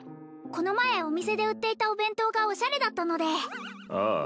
この前お店で売っていたお弁当がオシャレだったのでああ